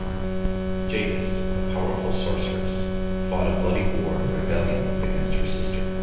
Jadis, a powerful sorceress, fought a bloody war of rebellion against her sister.